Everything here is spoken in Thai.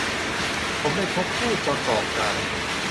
ผมได้พบผู้ประกอบการ